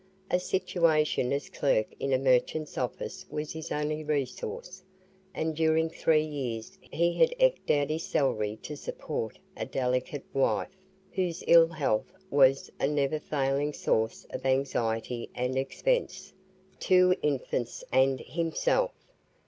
A situation as clerk in a merchant's office was his only resource, and during three years he had eked out his salary to support a delicate wife whose ill health was a neverfailing source of anxiety and expense two infants, and himself.